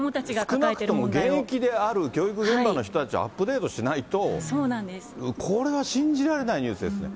少なくとも現役である教育現場の人たち、アップデートしないと、これは信じられないニュースですね。